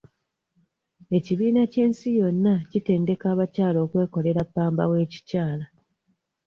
Ekibiina ky'ensi yonna kitendeka abakyala okwekolera ppamba w'ekikyala.